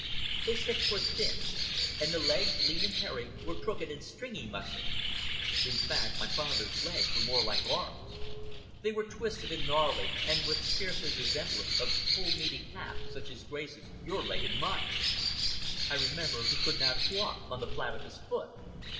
His hips were thin; and the legs, lean and hairy, were crooked and stringy muscled. In fact, my father's legs were more like arms. They were twisted and gnarly, and with scarcely the semblance of the full meaty calf such as graces your leg and mine. I remember he could not walk on the flat of his foot.